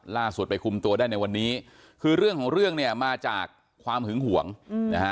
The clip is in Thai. ล่าสุดไปคุมตัวได้ในวันนี้คือเรื่องของเรื่องเนี่ยมาจากความหึงห่วงนะฮะ